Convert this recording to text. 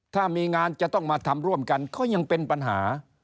ถ้ามีงานจะต้องมาทำร่วมกันก็ยังเป็นปัญหา